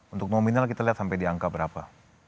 untuk nominal kita lihat sampai di angka berapa